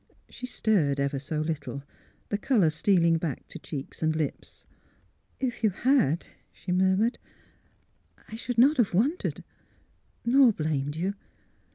She stirred, ever so little, the colour stealing back to cheeks and lips. " If you had," she murmured, " I should not have wondered — nor blamed you.